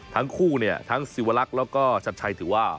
ทั้งคู่เนี่ยทั้งสิวลักษณ์แล้วก็ชัดชัยถือว่า